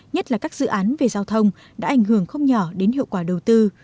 nhất là các dự án về giao thông đã ảnh hưởng không nhỏ đến hiệu quả đầu tư